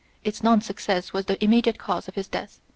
Its non success was the immediate cause of his death.